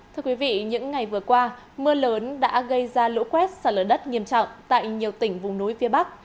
thưa quý vị những ngày vừa qua mưa lớn đã gây ra lũ quét sạt lở đất nghiêm trọng tại nhiều tỉnh vùng núi phía bắc